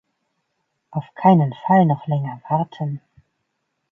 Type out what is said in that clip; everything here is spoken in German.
Auf keinen Fall noch länger warten!